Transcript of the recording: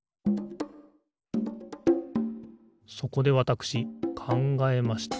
そこでわたしくかんがえました。